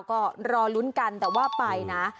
ก็รอลุ้นกันแต่ว่าไปนะ